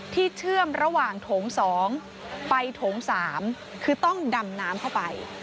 เชื่อมระหว่างโถง๒ไปโถง๓คือต้องดำน้ำเข้าไป